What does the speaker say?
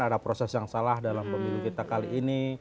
ada proses yang salah dalam pemilu kita kali ini